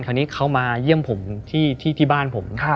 คราวนี้เขามาเยี่ยมผมที่บ้านผม